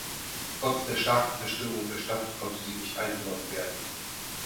Trotz der starken Zerstörung der Stadt konnte sie nicht eingenommen werden.